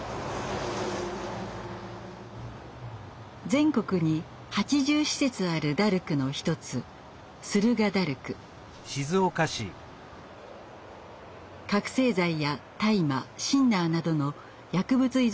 全国に８０施設あるダルクの一つ覚せい剤や大麻シンナーなどの薬物依存症の人たち